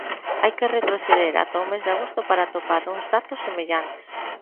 Hai que retroceder ata o mes de agosto para atopar uns datos semellantes.